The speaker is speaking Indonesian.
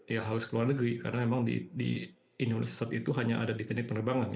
ya harus ke luar negeri karena memang di indonesia saat itu hanya ada di tenik penerbangan